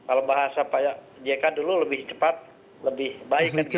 kalau bahasa pak jekat dulu lebih cepat lebih baik kan gitu